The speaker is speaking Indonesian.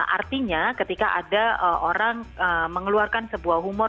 artinya ketika ada orang mengeluarkan sebuah humor